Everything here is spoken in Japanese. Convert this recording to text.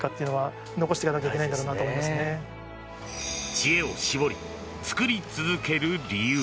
知恵を絞り、作り続ける理由。